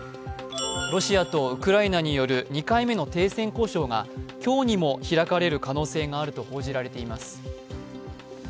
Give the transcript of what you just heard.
ロシアとウクライナによる２回目の停戦交渉が今日にも開かれる可能性があると報じられています。